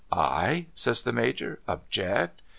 ' 'I?' says the Major. 'Object?